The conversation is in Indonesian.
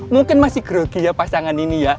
mungkin masih grogi ya pasangan ini ya